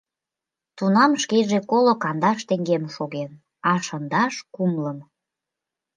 Тунам шкеже коло кандаш теҥгем шоген, а шындаш — кумлым.